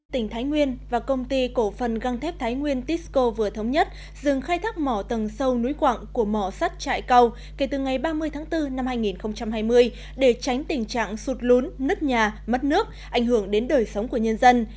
tỉnh thái nguyên và công ty cổ phần găng thép thái nguyên tisco vừa thống nhất dừng khai thác mỏ tầng sâu núi quặng của mỏ sắt trại cầu kể từ ngày ba mươi tháng bốn năm hai nghìn hai mươi để tránh tình trạng sụt lún nứt nhà mất nước ảnh hưởng đến đời sống của nhân dân